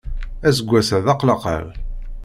Aseggas-a d aqlaqal.